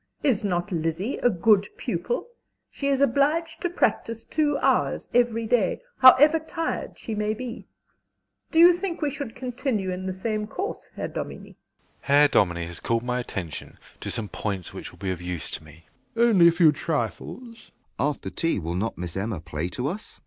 Is not Lizzie a good pupil? She is obliged to practise two hours every day, however tired she may be. Do you think we should continue in the same course, Herr Dominie? SHEPARD. Herr Dominie has called my attention to some points which will be of use to me. DOMINIE. Only a few trifles. JOHN S. After tea will not Miss Emma play to us?